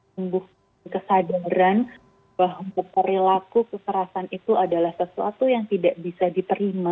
tumbuh kesadaran bahwa untuk perilaku keserasan itu adalah sesuatu yang tidak bisa diperima